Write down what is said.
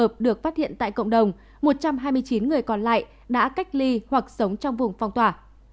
phát hiện tại cộng đồng một trăm hai mươi chín người còn lại đã cách ly hoặc sống trong vùng phong tỏa